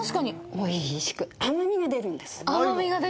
おいしく、甘みが出るんです。